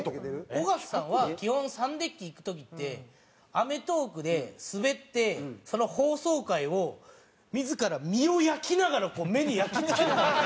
尾形さんは基本サンデッキ行く時って『アメトーーク』でスベってその放送回を自ら身を焼きながらこう目に焼き付け。